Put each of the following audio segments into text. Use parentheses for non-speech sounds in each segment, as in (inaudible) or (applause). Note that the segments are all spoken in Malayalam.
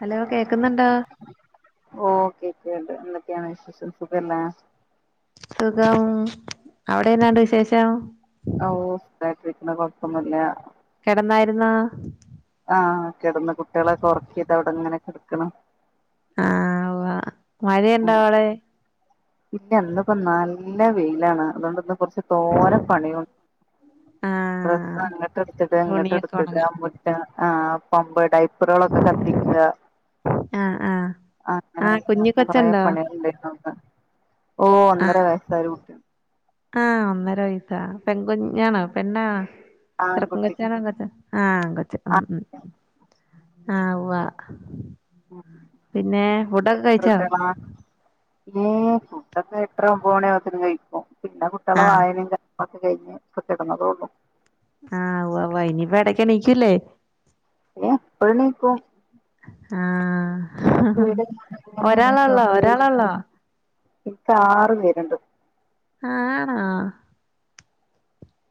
ഹലോ കേക്കുന്നുണ്ടോ ഓഹ് കേക്കണ് ണ്ട് ന്തൊക്കെയാണ് വിശേഷം സുഖല്ലേ സുഖം അവടെന്നാണ്ട് വിശേഷം ഓഹ് സുഖായിട്ടിരിക്ക്ണ് കൊഴപ്പൊന്നുല്ല കെടന്നാരുന്നാ ആഹ് കെടന്ന് കുട്ട്യേളൊക്കെ ഒറക്കി ദാ വ്‌ടെങ്ങനെ കെടക്കണ് ആഹ് ഉവ്വാ മഴയ്ണ്ടോ ഉം അവടെ ഇല്ല ന്നിപ്പം നല്ല വെയിലാണ് അതുകൊണ്ടന്ന് കൊറച്ച് തോനെ പണിയൊൺ ഡ്രസ് ആഹ് അങ്ങിട്ടെട്ത്തിടാ തുണിയൊക്കെ ഇങ്ങട്ടെട്ത്തിടാ ഉണങ്ങാൻ മു ആഹ് പമ്പ് ഡൈപ്പറുകളൊക്കെ കത്തിക്കാ ആഹ് ആഹ് അങ്ങനെ ആഹ് പിന്നെ കുഞ്ഞി കൊറേ കൊച്ചുണ്ടോ പണ്യേള്ണ്ടാരുന്ന് ഇന്ന് ഓഹ് ഒന്നര ആഹ് വയസ്സായൊര് കുട്ടിണ്ട് ആഹ് ഒന്നര വൈസാ പെൺകുഞ്ഞാണോ പെണ്ണാണോ ആൺകുട്ടി ചെറക്കകൊച്ചാ പെൺകൊച്ചാ ആഹ് ആങ്കോച്ച് ഉം ഉം ആഹ് ആഹ് ഉവ്വാ (unintelligible) ഉം ഫുഡാക്കെ എട്ടരഒമ്പമണിയാവുമ്പോതെന് കഴിക്കും പിന്നെ കുട്ട്യേള ആഹ് വായനെ കാ ഒക്കെ കഴിഞ്ഞ് ഇപ്പോ കെടന്നതേ ഒള്ളു ആഹ് ഉവ്വാ ഉവ്വാ ഇനിപ്പ എടക്കെണിക്കൂല്ലേ (unintelligible) പ്പണിക്കു ആഹ് ഇങ്ങനെ ഒരാളള്ളോ ഒരാളള്ളോ ഇക്കാറു പേര്ണ്ട് ആണോ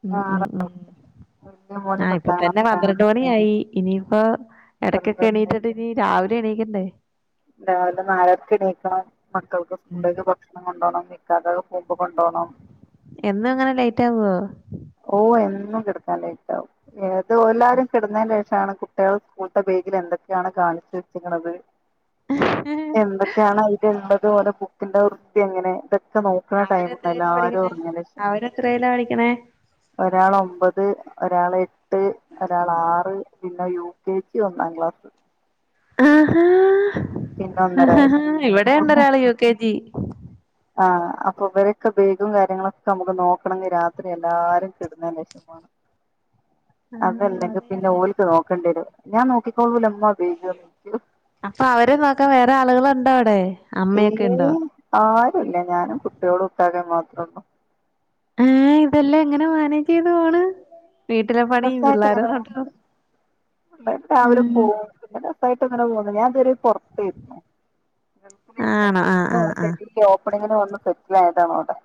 ഉം ആറ് ഉം വല്യ മോന് ആഹ് ഇപ്പോ പത്താം തന്നെ പ ന്ത്രണ്ട് ക്ലാസ്സിലാണ് മണിയായി ഇനിയിപ്പോ എടയ്ക്കൊക്കെ പന്ത്രണ്ട് എണീറ്റ്ട്ട് ഇനി രാവിലെ എണീക്കണ്ടേ രാവിലെ നാലരക്ക്ണീക്കണം മക്കൾക്ക് സ്കൂളിലേക്ക് ഭക്ഷണം കൊണ്ടോണം ഇക്കാക്കക്ക് പോക്മ്പോ കൊണ്ടോണം എന്നുങ്ങനെ ലേറ്റ് ആവോ ഓഹ് എന്നും കെടക്കാൻലേറ്റാവും ഏതോ എല്ലാരും കെടന്നെ ഷാണ് കുട്ട്യാൾ സ്കൂള്ത്ത ബേഗിൽ എന്തൊക്കെയാണ് കാണിച്ചു വെച്ചിക്ക്ണത് ഏ എന്തൊക്കെയാണ് അയിലള്ളത് ഓലെ ബുക്കിന്റെ വൃത്തി എങ്ങനെ ഇതൊ ക്കെ നോക്കണ ടൈമാ എല്ലാരുറങ്ങനേഷം ത്രെലാ പടിക്കണേ ഒരാള് ഒമ്പത്, ഒരാള് എട്ട്, ഒരാള് ആറ് പിന്നെ യു കെ ജി ഒന്നാ ക്ലാസ് ആഹാ പിന്നെ ഒന്നര വയസ്സ് ഇവിടെണ്ടരാള് യു കെ ജി ആഹ് അപ്പോ ഇവരൊക്കെ ബേഗ് കാര്യങ്ങളൊക്കെ നമ്ക്ക് നോക്കണങ്കി രാത്രി എല്ലാരും കെടന്ന് ഷേമാണ് ആഹ് അതെ അതല്ലെങ്കിപിന്നെ അതെ ഓൽക്ക് നോക്കണ്ടേരും ഞാൻ നോക്കിക്കോളുല്ലെ മ്മാ ബേഗ് ന്ന് അപ്പ അവരെ നോക്കാൻ വേറെ ആളുകളുണ്ടോ അവടെ ഏയ് ആരുല്ല ഞാനും കുട്ട്യേളും ഇക്കാകേം മാത്രേള്ളൂ ഏഹ് ഇതെല്ലാം എങ്ങനെ മാനേജ് ചെയ്ത് പോണ് വീട്ടിലെ പണി പിള്ളോരെ നോട്ടം പിള്ളേര് രാവിലെ പോവും പിന്നെ രസായിട്ട് അങ്ങനെ പോണ് ഞാൻതുവരെ പൊറത്തേര്ന്നു ആണോ ആഹ് ആഹ് ആഹ് (inaudible) ഓപ്പണിങ്ങിന് വന്ന് സെറ്റിലായതാണവടെ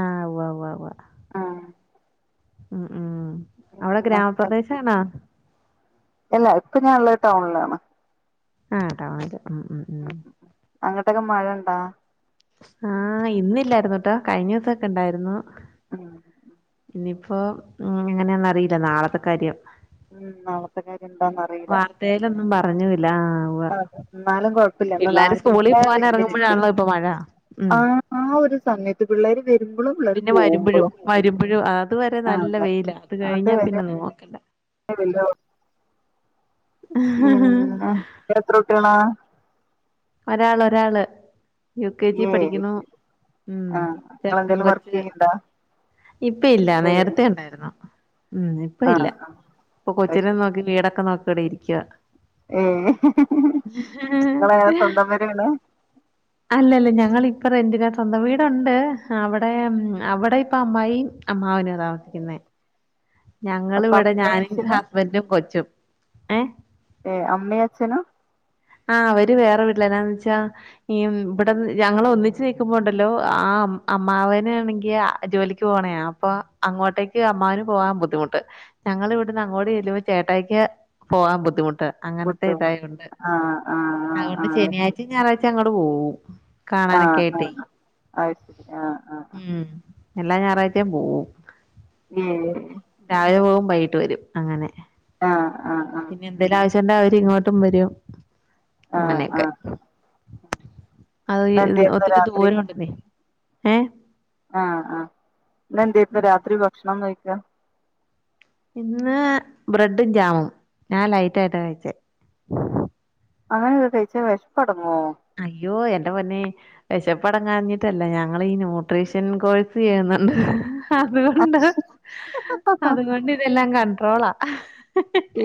ആഹ് ഉവ്വാ ഉവ്വാ ഉവ്വാ ആഹ് ആഹ് അവടെ ഉം ഗ്രാമപ്രദേശാണോ എല്ല ഇപ്പോ ഞാള്ളത്ടൗണിലാണ് ആഹ് ടൗണില് ഉം ഉം ഉം അങ്ങട്ടൊക്കെ മഴണ്ടാ ആഹ് ഇന്നില്ലായിരുന്നു ട്ടോ കഴിഞ്ഞീസൊക്കെണ്ടായിരുന്നു ആഹ് ഇനിപ്പോ എങ്ങനെയന്നറിയില്ല നാളത്തെ കാര്യം ഉം നളത്തക്കാര്യം എന്താന്ന വാർത്തയിലൊന്നും പറഞ്ഞുവില്ല. ആഹ് ക്കുവാ എന്നാലും കൊഴപ്പില്ല ഇന്ന് പിള്ളാര് നല്ല സ്കൂളിൽ പോകൻ വെയില് കിട്ടി ഇറങ്ങുമ്പോഴാണല്ലോ ഇപ്പൊ മഴ ഉം ആഹ് ആ ഒരു സമയത്ത് പിള്ളേര് വരുമ്പളും പിള്ളേര് പിന്നെ വരുമ്പഴും പോകുമ്പളും വരുമ്പഴും അതുവരെ നല്ല വെയില അത് കഴിഞ്ഞാൽ വരെ പിന്നെ നോക്കണ്ട (unintelligible) പിന്നെ ക്ക്‌ എത്ര കുട്ടിയോളാ ഒരാളോരാള് യു കെജി പഠിക്ക്‌ണു ഏഴ് ഉം ആഹ് നിങ്ങളെന്തേലും വർക്ക് ചെറ്ക്കൻങ്കൊച്ച് ചെയ്യ്ണ്ടാ ഇപ്പ ഇല്ല ഏഹ് നേരത്തെ ണ്ടായിര്ന്നു ഉം ഇപ്പ ഇല്ല ആഹ് ആഹ് ഇപ്പൊ അത് കൊച്ചിനേം ശരി നോക്കി വീടൊക്കെ നോക്കിയിവിടെ ഇരിക്കുവ ഏഹ് ങ്ങളെ ങ്ങളെ സ്വന്തം പേരെണ് (inaudible) അല്ലല്ല ഞങ്ങളിപ്പ റെന്റിനാ സ്വന്തം വീടുണ്ട് അവിടെ അവിടെ ഇപ്പ അമ്മായി അമ്മാവിനോ താമസിക്കുന്നെ ഞങ്ങള് അപ്പൊ വ്ടെ അമ്മേം ഞാനും അച്ഛനും ഹസ്ബൻറും കൊച്ചും ഏഹ് ഏഹ് അമ്മി അച്ഛനും ആഹ് അവര് വേറെ വീട്ടില എന്നാ ന്ന് വെച്ചാ ഈ ഇവിടെ ഞങ്ങളൊന്നിച്ച് നൽക്കുമ്പോ ഒണ്ടല്ലോ ആ അമ്മാവനണെങ്കിൽ ജോലിക്ക് പോണയാ അപ്പൊ അങ്ങോട്ടേക്ക് അമ്മാന് പോകാൻ ബുദ്ധിമുട്ട് ഞങ്ങൾ ഇവിടുന്ന് അങ്ങോട്ട് ചെല്ലുമ്പോ ചേട്ടായ്ക്ക് പോവാൻ ബുദ്ധിമുട്ട് അങ്ങനത്തെ കുട്ടിയും കുട്ടിയും ഇതായൊണ്ട് ആഹ് ആഹ് അത്ങ്ങൊണ്ട് ശനിയാഴ്ചയും ഞായറാഴ്ച അങ്ങോട് പോകും കാണാനൊക്കെ ആഹ് ആയിട്ടേ ആഹ് അത് ശരി ആഹ് ആഹ് അത് ശരി ആഹ് ആഹ് ഉം എല്ലാ ഞായറാഴ്ചയും പോവും യേഹ് രാവിലെ പോകും വൈകിട്ട് വരും അങ്ങനെ ആഹ് ആഹ് ആഹ് പിന്നെ എന്തേലും ആവശ്യണ്ടെ അവരി ങ്ങോട്ടും വരും ആഹ് ആഹ് അങ്ങനെയൊക്കെ ആഹ് അത് ഇന്നെന്തേര്ന്നു ഒത്തിരി രാത്രി ദൂരോണ്ടെന്നേ ആഹ് അഹ് ന്ന് ന്തേയ്‌ക്കും രാത്രി ഭക്ഷണം കഴിക്കാ ഇന്ന് ബ്രെഡും, ജാമും. ഞാൻ ലൈറ്റ് ആയിട്ടാ കഴിച്ചേ അങ്ങനെയൊക്കെ കഴിച്ചാ വെഷ്പ്പടങ്ങോ അയ്യോ എന്റെ പൊന്നേ വെഷപ്പടങ്ങാഞ്ഞിട്ടല്ല ഞങ്ങളീ ന്യൂട്രീഷൻ കോഴ്സ് ചെയ്യുന്നുണ്ട് അതുകൊണ്ട് അതുങ്ങൊണ്ട് ഇതെല്ലാം കണ്ട്രോളാ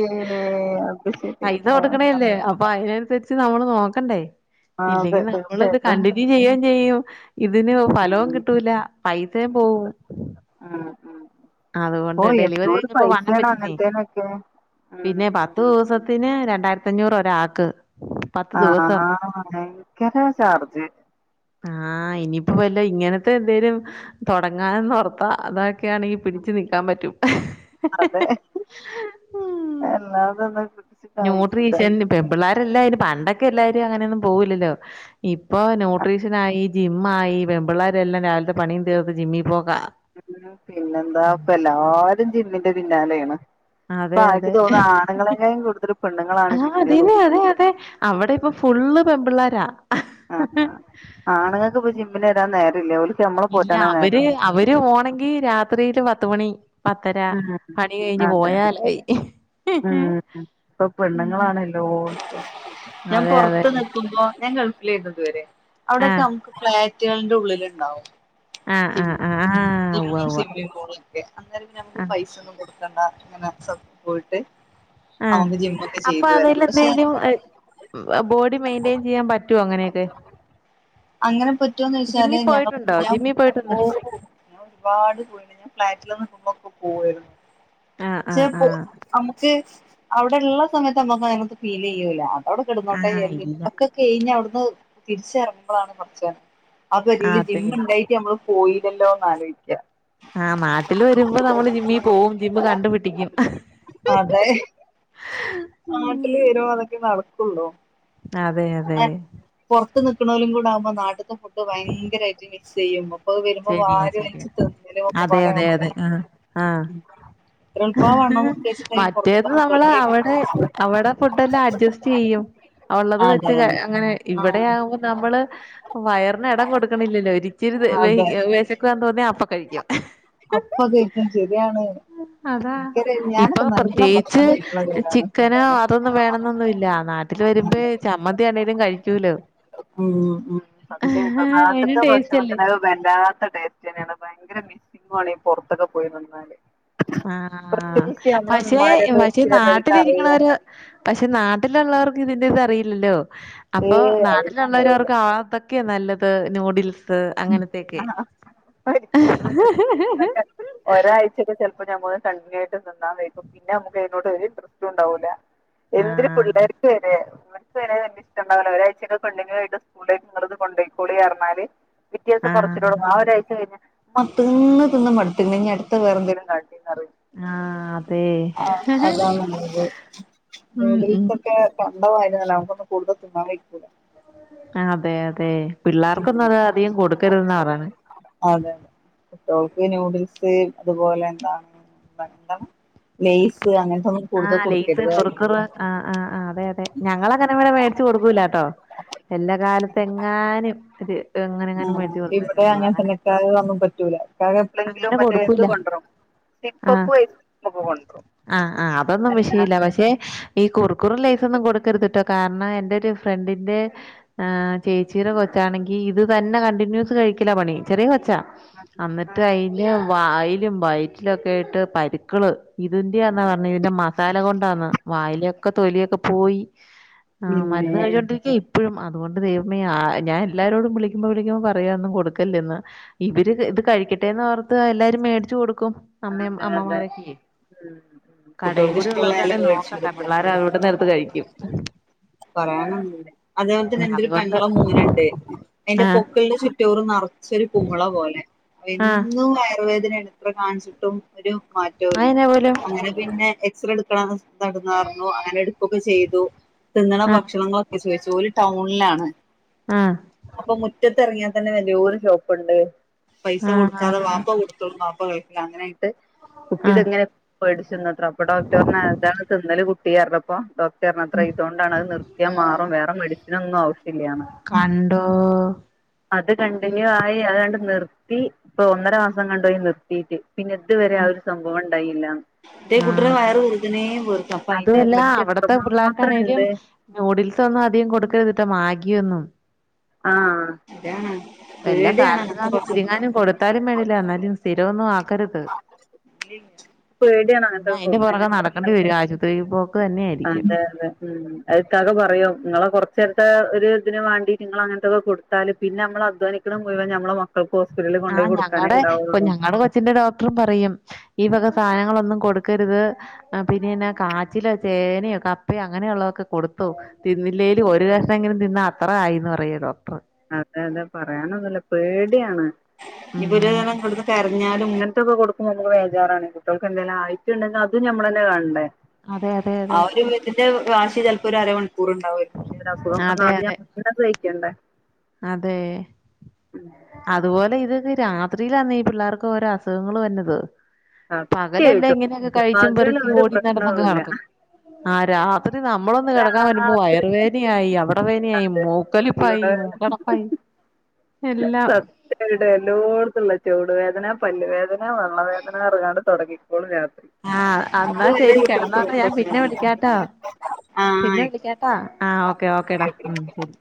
ഏഹ് അത് ശരി പൈസ ആഹ് കൊടുക്കണല്ലേ അപ്പൊ അയിനനുസരിച്ച് നമ്മൾ നോക്കണ്ടേ അതെ ഇല്ലെങ്കിൽ നമ്മളിത് തീർച്ചയായിട്ടും കണ്ടിട്ട് (unintelligible) ചെയ്യേം ചെയ്യും ഇതിന് ഫലവും ആഹ് കിട്ടൂല്ല പൈസേം പോവും ആഹ് ആഹ് ഓ അതുകൊണ്ട് ഡെലിവറി എന്തോരു കഴിഞ്ഞപ്പോ വണ്ണം പൈസയാണ് വച്ചന്നേ അങ്ങനത്തേനൊക്കെ പിന്നെ പത്തു ദിവസ പിന്നെ രണ്ടായിരത്തഞ്ഞൂറ് ഒരാൾക്ക് ആഹ് ആഹ് ഭയങ്കര ചാർജ് ആഹ് ഇനിയിപ്പോ വല്ലോ ഇങ്ങനത്തെ എന്തേലും തൊടങ്ങാനന്ന് ഒർത്ത അത ഒക്കെ ആണെങ്കി പിടിച്ചു നിക്കാൻ പറ്റും അതെ ഉം എല്ലാതൊന്നും പിട്ച്ച് ക്കാം വെയ്ക്കൂല പെൺപിള്ളേരെല്ലാം അതിന് പണ്ടൊക്കെ എല്ലാരും അങ്ങനെയൊന്നും പോവില്ലല്ലോ ഇപ്പൊ ന്യൂ ട്രീഷനായി ജിം ആയി പെമ്പിള്ളേരെല്ലാം രാവിലത്തെ പണിയും തീർത്ത് ജിമ്മിൽ പോക്കാ (inaudible) പിന്നെന്താ ഇപ്പ എല്ലാരും ജിമ്മിന്റെ പിന്നാലെയാണ് ഇപ്പൊ അതെ ആനിക്ക് അതെ തോന്നുന്നു ആണുങ്ങളെക്കായും കൂടുതൽ പെണ്ണുങ്ങളാണ് ആഹ് ജിമ്മിന് അതന്നെ തോന്നുന്നുണ്ട് അതെ അതെ അവെടെ ഇപ്പൊ ഫുള്ള് പെൺമ്പിള്ളാരാ ആണ്ങ്ങക്ക്‌ പ്പ ജിമ്മിന് രാൻ നേരല്ല നമ്മളെ ഇല്ല പോറ്റാനേ അവര് നേരള്ളൂ അവര് വോണെങ്കി രാത്രിയില് പത്തുമണി പത്തര പണി ഉം കഴ്ഞ് അതെ അതെ പോയാലായി ലോ ഞാൻ അതെ അതെ പൊറ്ത്ത് നിക്കുമ്പോ ഞാൻ ഗൾഫിലെനു ത് വരെ അവ്ടോക്കെ ആഹ് നമുക്ക് ഫ്ലാറ്റുകള്ന്റെ ഉള്ളില് ണ്ടാവും ആഹ് ആഹ് ആഹ് ആഹ് (inaudible) ഉവ്വ ഉവ്വ ഞമക്ക് ആഹ് പൈസ ഒന്നും കൊടുക്കണ്ട ഇങ്ങനെ പോയിട്ട് ആഹ് നമുക്ക് ജിമ്മൊക്കെ അപ്പ ചെയ്തു വരാം പക്ഷെ അതിലെന്തെങ്കിലും ബോഡി മെയിന്റെൻ ചെയ്യാൻ പറ്റുവോ അങ്ങനെയൊക്കെ അങ്ങനെ പറ്റോന്നൊയ്ച്ചാല് ജിമ്മി പോയിട്ടുണ്ടോ (unintelligible) ഞാൻ ജിമ്മി പോയിട്ടുണ്ടോ ഒരുപാട് പോയിണ്ട് ഞാൻ ഫ്ലാറ്റിൽന്ന്ക്കുമ്പോക്കെ പോവായിരുന്നു ആഹ് ആഹ് ചെപ്പോ ആഹ് മുക്ക് അവിടെള്ള സമയത്ത് നമ്മക്ക് (unintelligible) ഫീലെയ്യൂല അവിടെ കെടന്നൊട്ടേ (unintelligible) ആഹ് ഇല്ല (unintelligible) കെഴ്ഞ്ഞ വ്ട്ന്ന് തിരിച്ചറുമ്പഴാണ് കൊറ്ച്ച് ആ, (unintelligible) അതെ ജിമ്മിണ്ടായി ഞമ്മള് പോയിലെല്ലോന്ന് ആലോയ്ക്കാ ആഹ് നാട്ടില് വരുമ്പോ നമ്മള് ജിമ്മി പോവും ജിമ്മ് കണ്ട് പിടിക്കും അതെ നാട്ടില് വരുവാനേങ്കി നടക്കുള്ളൂ അതെ അതെ ഞാൻ പൊറ്ത്ത് നിക്ക്‌ണോലും കൂടെ ആകുമ്പോ നാട്ട്ത്തെ ഫുഡ് ഭയങ്കരായിട്ട് മിക്സ് ചെയ്യുമ്പം പ്പൊ വരുമ്പോ ശരിയാ വാരി ശരിയാ വലിച്ച് അതെ തിന്നലോക്കെപ്പാടെ അതെ (inaudible) അതെ ആഹ് ആഹ് മറ്റേത് നമ്മള് അവിടെ അവിടെ ഫുഡെല്ലാം അഡ്ജസ്റ്റ് ചെയ്യും അ ഉള്ളത് വെച്ച് അങ്ങനെ ആഹ് ഇവിടെയാവുമ്പ നമ്മള് വയർ ന്ന് എടം കൊട്ക്ക്‌ണില്ലല്ലോ ഒരിചിരി വേയ് അതെ വിശക്കു ആ തോന്നിയാൽ അപ്പം കഴിക്കും അപ്പ കേക്കും ശരിയാണ് അതാ എനിക്കൊരു ഇപ്പ ഞാനൊക്കെ നല്ല ഭക്ഷണം പ്രത്യേകിച്ച് കഴിക്കുന്ന പേരാണ് ചിക്കനോ അതൊന്നും വേണംന്നൊന്നുല്ല നാട്ട ട്ട്ല് വരുബെ ചമ്മന്തിയാണെലും കഴിക്കൂലോ ഉം ഉം സത്യട്ടോ അയിനും നാട്ട്ത്തെ ടേസ്റ്റ് അല്ലേ ഭക്ഷണത്തിനെ വല്ലാത്ത ടേസ്റ്റ് ന്നെയാണ് ഭയങ്കര മിസ്സിങ്ങാണ് ഈ പൊറ്ത്തൊക്കെ പോയിനിന്നാല് ആഹ് പഷേ ഉമ്മാരൊക്കെ പഷേ വെച്ച് തരുന്ന ഒരു കറിയും നാട്ടിലിരിക്കണര് പക്ഷെ നാട്ടിലുള്ളവർക്ക് ഇതിന്റെ ഇത് അറിയില്ലല്ലോ അപ്പൊ ഏയ് അത് നാട്ടിലുള്ളവരവർക്ക് ആതൊക്കെ നല്ലത് നൂഡിൽസ് ത്ത് അങ്ങനത്തെക്കെ ആ ആ ഒരിക്കലുല്ല (unintelligible) എന്ത് ര് ആഹ് പിള്ളേർക്ക് വെരെ ത് വെരെ എന്റെ ഷ്ടണ്ടാവൂല ഒരായ്ച്ചക്കെ കൊണ്ടെങ്കി (unintelligible) റഞ്ഞാല് വ്യത്യാസം കൊറച്ട്ടൊളൂ ആഹ് ആ ഒരാഴ്ച കഴിഞ് അ തിന്ന് തിന്ന് മട്ത്ത്ക്ക്‌ണ് ഇനി അട്ത്ത വേറെ ന്തെങ്കിലും കാട്ടിത്തറ ആഹ് അതെ ആഹ് അതാണ്ല്ലത് ഉം ഉം നൂഡിൽസൊക്കെ കണ്ട മാതിരിയല്ല നമുക്കൊക്കെ കൂടുതൽ തിന്നാം വെയ്കുല അതെ അതെ ഉം പിള്ളാർക്കൊന്നും അത് അധികം കൊടുക്കരുതെന്നാ പറണേ അതെ അതെ കുട്ടോൾക്ക് ന്യുഡിൽസ് അതുപോലെ എന്താണ് വന്ണ്ടം ലേസ് അങ്ങനത്തെ ഒന്നും ആഹ് ലെയ്സ് കുറുക്കുറ് ആഹ് ആഹ് ആഹ് അതെ അതെ ഞങ്ങള ങ്ങനെ ഇവിടെ മേട്ച്ച് കൊടുക്കൂലട്ടോ എല്ല കാലത്ത് എങ്ങാനും അ എങ്ങനെ അങ്ങനെ ആഹ് മേട്ച് കൊട്ത്താലെ ഇവിടെ ഒള്ളൂ അങ്ങനെ തന്നെ ഇക്കാക്ക് ഒന്നും പറ്റൂല ഇക്കാക്ക് എപ്പളെങ്കിലും അങ്ങനെ മറ്റേ ഇത് കൊടുക്കൂല്ല കൊണ്ടരും ആഹ് സിപ്പപ്പും ഐസ്ക്രീമും ഒക്കെ കൊണ്ടരും ആഹ് ആഹ് അപ്പം ന്നും വിഷയില്ല അല്ലാതെ പക്ഷെ ഈ കുറ്ക്കുറും ലേസ്. ലെയ്സൊന്നും കൊടുക്കരുത്ട്ടോ. കാരണം എന്റെ ഒരു ഫ്രണ്ടിന്റെ ആഹ് ചേച്ചീടെ കൊച്ചാണെങ്കി ഇത് തന്നെ കണ്ടിന്യൂസ് കഴിക്കലാ പണി ചെറിയ കൊച്ചാ. ആ, അന്നിട്ട് അയിന്റെ വായി ല് വയ്റ്റിലക്കായിട്ട് പരുക്കള് ഇതിന്റെ ന്നാ ർഞ്ഞേ തിൻ്റെ മ സാല കൊണ്ടാന്ന വായിലൊക്കെ തൊലിയൊക്കെ പോയി ആ മരുന്ന് പിന്നെ കഴിഞ്ഞോണ്ടി ഇപ്പഴും അതുകൊണ്ട് ദൈവമേ ആ ഞാൻ എല്ലാരോടും വിളിക്കുമ്പോ വിളിക്കുമ്പോ പറയും അതൊന്നും കൊടുക്കല്ലന്ന്. ഇവര് ഇത് കഴിക്കട്ടെന്ന് ഓർത്ത് എല്ലാരും മേടിച്ചു കൊടുക്കും അമ്മയും അതെ അതെ അമ്മമാരൊക്കെ ഉം കടയും കുട്ടികൾക്ക് കൂടി ഇഷ്ടമുള്ള എല്ലാം ഉള്ളവരാണെങ്കി മേടിച്ചു നോക്കണ്ട. കൊടുക്കുക പിള്ളേർ അവിടെന്ന്ടുത്ത് കഴിക്കും. പറയാനാ അതേപോലെത്തെ ഉം, എൻ്റെരു അതുകൊണ്ട് പെങ്ങളെ മോന്ണ്ട്. അയ്ന്റെ ആഹ് പൊക്ക്ളിന്റെ ചു റ്റോറ് നർച്ചൊരു കുമള പോലെ അ ആഹ് എന്നും വയർവേദനാണ്. എത്ര കാണിച്ചിട്ടും ഒരു മാറ്റോല്ല. അതെന്നാ പോലും അങ്ങനെ പിന്നെ എക്സറേ എട് ക്കണോ നട്ന്നാര്ന്നു. അങ്ങനെ ഇട്ക്കൊക്കെ ചെയ്തു. തിന്നണ ആഹ് ഭക്ഷണങ്ങളൊ ക്കെ ചോയ്ച്ചു. ഓല് ടൗൺലാണ്. ആഹ് അപ്പൊ മുറ്റത്തെർങ്ങിയാ തന്നെ വല്ല്യാരു ഷോപ്പ്ണ്ട്. പൈസ കൊടുക്കാതെ ആഹ് വാപ്പ കൊ ടുക്കും ബാപ്പ ഗൾഫിലാ അങ്ങനെ കുട്ടി ആഹ് ഇതെങ്ങനെ പേടിച്ചുന്നത്ര അപ്പൊ ഡോക്ടർ പർഞ്ഞ് ഏതാണ് തിന്നല് കു ട്ടീർഞ്ഞപ്പോ ഡോ ക്ടർ ഞ്ഞത്രെ ഇതൊണ്ടാണ് അത് നിർത്തിയാ മാറും വേറെ മെഡിസിനൊന്നും ആവശ്യല്ലാന്ന്. കണ്ടോ ആഹ് അത് കണ്ടിന്യൂ ആയി അത്ണ്ട് നിർത്തി പ്പൊ ഒന്നര മാസം എങ്ങണ്ടായി നിർത്തിട്ട്. പിന്നെ ഇതുവരെ ആ ഒര് സംഭവം ഇണ്ടായില്ലാന്ന്. ഇതേ കുട്ടിൻ്റെ വയർ ആഹ് വെർതനേ വീർക്ക അപ്പ അയ്ന്റെ അതുവല്ല എഫക്റ്റ് എത്ര മാത്രംണ്ട്. ന്യൂഡിൽസൊന്നും അധികം കൊടുക്കരുത്ട്ടാ മാഗിയൊന്നും ആഹ് താണ് വല്ലാ കാലത്ത്ങ്ങാനും ഇച്ചിരിങ്ങാനും കൊടുത്താലും വേണ്ടില്ല. എന്നാലും സ്ഥിരമൊന്നും ആക്കരുത്. പേടിയാണ് അങ്ങൻത്തെക്കെ കൊട് പൊറകെ നടക്കണ്ടി വരും ആശുപത്രിപ്പോ അതെ അതെ ഉം. അയ് ഇക്കാക്ക പറയും ഇങ്ങളെ കൊർച്ചേരത്തെ ഒരു ഇതിന് വാണ്ടിട്ട് ഇങ്ങളങ്ങൻത്തൊക്കെ കൊട്ത്താല് പിന്നെ അമ്മള് അധ്വാനിക്ക ക്ക്ണ മുഴുവൻ നമ്മളെ മക്കൾക്ക് ഹോസ്പിറ്റലിൽ കൊണ്ടേ കൊട്ക്കാനേ ഇണ്ടാവുള്ളൂ. ത്തിന്റെ ഡോക്ടറും പറയും ഈ വക സാനങ്ങളൊന്നും കൊടുക്കര്ത്. ആ പിന്നെ കാച്ചിലോ ചേനയോ കപ്പയോ അങ്ങനെയുള്ളക്കെ കൊടു ത്തു തിന്നില്ലേല് ഒരു കഷ്ണെങ്കിലും തിന്നാ അത്ര ആയിന്ന് പറയും ഡോക്ടർ അതെ അതെ പറയാനൊന്നുല്ല പേടിയാണ് ന്ന് ഉം (unintelligible) കരഞ്ഞാലും ഇങ്ങൻത്തൊക്കെ കൊടുക്ക്മ്പാ നമ്മക്ക് ബേജാറാണ്. കുട്ടൾക്കെന്തേലും ആയിട്ട്ണ്ടെങ്കി അതും നമ്മളെന്നെ കാണണ്ടേ. അതെ അതെ അതെ ആഹ് ഒരു വീട്ട്ന്റെ വാശി ചെൽപ്പോ ഒര് അര മണിക്കൂർ ഇണ്ടാവൊയ്ക്കും. പക്ഷെ ഒരസുഖം വന്ന അതെ അ അതെ ഷണം കഴിക്കണ്ടേ. അതെ അതുപോലെ ഇത് രാത്രിയിലാന്നേ ഈ പിള്ളേർക്ക് ഓരോ അസുഖങ്ങള് വര്ന്നത് സത്യായിട്ടും പകലല്ലാംങ്ങനെയൊക്കെ കഴിച്ചും പകല് പെറുക്കി ഒരു ഓടി നടന്നൊക്കെ പ്രശ്നവുമില്ല നടക്കും ആ രാ ത്രി നമ്മളൊന്ന് കെടക്കാൻ വരുമ്പോ രാത്രി വയറ് വേനയായി അവിടെ വേനയായി വരെ മൂക്കലിപ്പായി ഇവിടെ പൈ എല്ലാം. ട്ട എല്ലോട്ത്തുംള്ള ചൗടു വേദന പല്ലുവേദന പള്ള വേദന അർഞ്ഞ് ങ്ങാണ്ട് തൊട്ങ്ങിക്കോളും രാത്രി ആഹ് അത് അന്നാ വരെ ശെരി കുട്ടികൾക്ക് ഒരു കെടന്നോട്ടെ ഞാൻ പിന്നെ പ്രശ്നവുമില്ല വിളിക്കാട്ടോ പിന്നെ ആഹ് വിളിക്കാട്ടാ ആ ഓക്കെ ഓക്കേടാ ഉം ശെരി